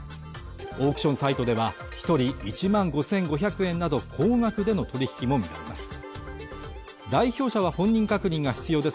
オークションサイトでは一人１万５５００円など高額での取引も見られます